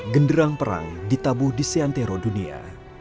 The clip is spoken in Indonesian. genderang perang ditabuh di seantero dunia